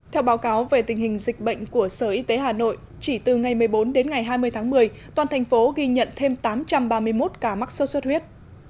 theo báo cáo về tình hình dịch bệnh của sở y tế hà nội chỉ từ ngày một mươi bốn đến ngày hai mươi tháng một mươi toàn thành phố ghi nhận thêm tám trăm ba mươi một ca mắc sốt xuất huyết